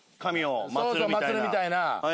そうそう祀るみたいな。